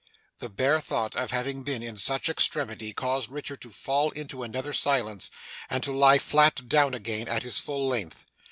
The bare thought of having been in such extremity, caused Richard to fall into another silence, and to lie flat down again, at his full length.